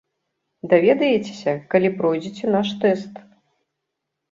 Даведаецеся, калі пройдзеце наш тэст.